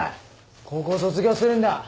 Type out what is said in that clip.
高校卒業するんだ。